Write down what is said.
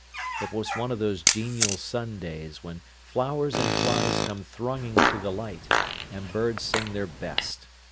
It was one of those genial sun days when flowers and flies come thronging to the light, and birds sing their best.